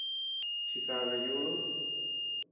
Chikaka yuduu.